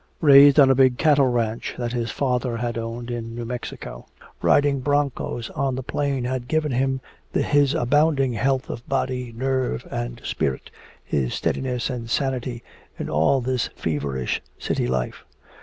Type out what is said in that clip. Raised on a big cattle ranch that his father had owned in New Mexico, riding broncos on the plains had given him his abounding health of body, nerve and spirit, his steadiness and sanity in all this feverish city life.